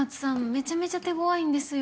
めちゃめちゃ手ごわいんですよ。